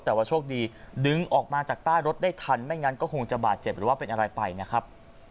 แต่ว่าโชคดีดึงออกมาจากใต้รถได้ทันไม่งั้นก็คงจะบาดเจ็บหรือว่าเป็นอะไรไปนะครับ